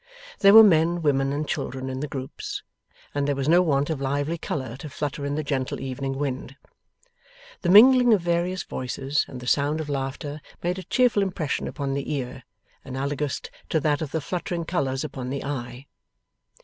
There were men, women, and children in the groups, and there was no want of lively colour to flutter in the gentle evening wind. The mingling of various voices and the sound of laughter made a cheerful impression upon the ear, analogous to that of the fluttering colours upon the eye.